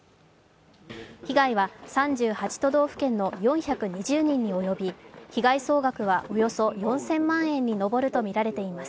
被害は３８都道府県の４２０人に及び被害総額はおよそ４０００万円に上るとみられています。